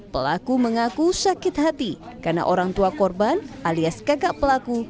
pelaku mengaku sakit hati karena orang tua korban alias kakak pelaku